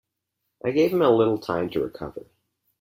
I gave him a little time to recover.